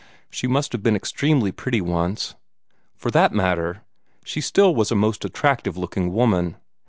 She must have been extremely pretty once. For that matter she still was a most attractive looking woman.